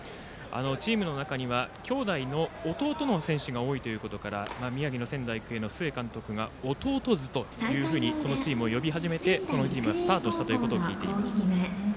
チームの中には兄弟の弟の選手が多いということから宮城の仙台育英の須江監督は弟ズと呼び始めてこのチームはスタートしたと聞いています。